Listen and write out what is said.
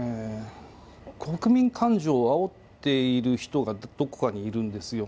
国民感情をあおっている人がどこかにいるんですよ。